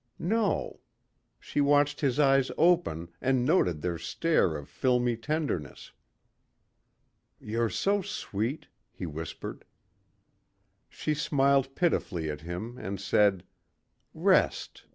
No. She watched his eyes open and noted their stare of filmy tenderness. "You're so sweet," he whispered. She smiled pitifully at him and said, "Rest.